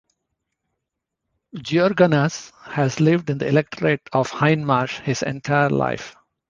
Georganas has lived in the electorate of Hindmarsh his entire life.